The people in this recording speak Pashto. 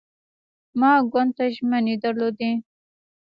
ما ګوند ته ژمنې درلودې.